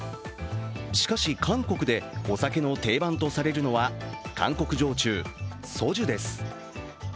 しかし、韓国でお酒の定番とされるのは韓国焼酎、ソジュです。